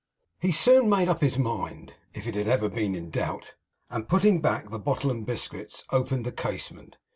He soon made up his mind, if it had ever been in doubt; and putting back the bottle and biscuits, opened the casement.